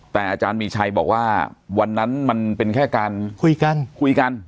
แต่อาจารย์มีชัยบอกว่าวันนั้นมันเป็นแค่การคุยกันคุยกัน